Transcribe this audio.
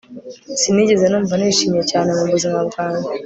Sinigeze numva nishimye cyane mubuzima bwanjye